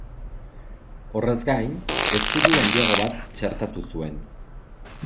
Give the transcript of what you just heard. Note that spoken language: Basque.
Horrez gain, ezkutu handiago bat txertatu zuen.